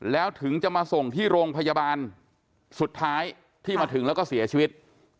แล้วถึงจะมาส่งที่โรงพยาบาลสุดท้ายที่มาถึงแล้วก็เสียชีวิต